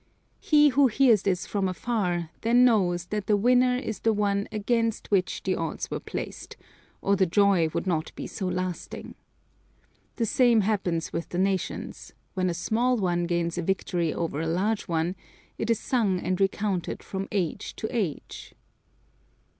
He who hears this from afar then knows that the winner is the one against which the odds were placed, or the joy would not be so lasting. The same happens with the nations: when a small one gains a victory over a large one, it is sung and recounted from age to age.